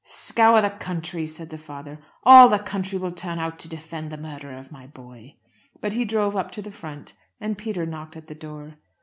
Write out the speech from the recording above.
"Scour the country!" said the father. "All the country will turn out to defend the murderer of my boy." But he drove up to the front, and Peter knocked at the door.